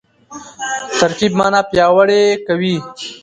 ترکیب مانا پیاوړې کوي.